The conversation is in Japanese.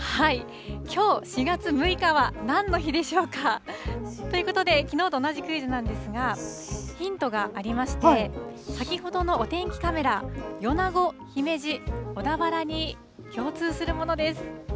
きょう４月６日は、なんの日でしょうか。ということで、きのうと同じクイズなんですが、ヒントがありまして、先ほどのお天気カメラ、米子、姫路、小田原に共通するものです。